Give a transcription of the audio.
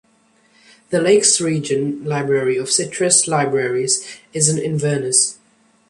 The Lakes Region Library of Citrus Libraries is in Inverness.